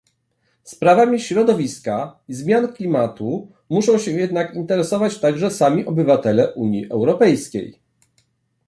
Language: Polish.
Sprawami środowiska i zmian klimatu muszą się jednak interesować także sami obywatele Unii Europejskiej